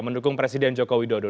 mendukung presiden joko widodo